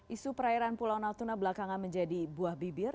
isu perairan pulau natuna belakangan menjadi buah bibir